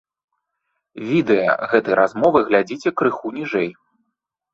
Відэа гэтай размовы глядзіце крыху ніжэй.